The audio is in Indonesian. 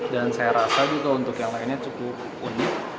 dan saya rasa juga untuk yang lainnya cukup unik